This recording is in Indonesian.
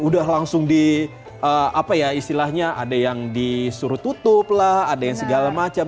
sudah langsung di apa ya istilahnya ada yang disuruh tutup lah ada yang segala macam